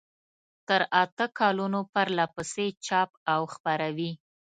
تر اته کلونو پرلپسې چاپ او خپروي.